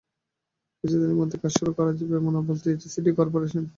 কিছুদিনের মধ্যে কাজ শুরু করা যাবে, এমন আভাস দিয়েছে সিটি করপোরেশন।